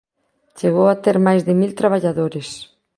Chegou a ter máis de mil traballadores.